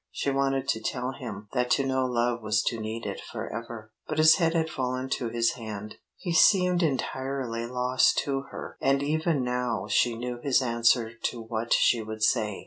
She wanted to tell him that to know love was to need it forever. But his head had fallen to his hand; he seemed entirely lost to her, and even now she knew his answer to what she would say.